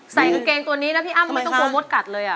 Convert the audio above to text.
กางเกงตัวนี้นะพี่อ้ำไม่ต้องกลัวมดกัดเลย